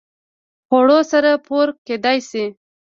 خوړو سره پوره کېدای شي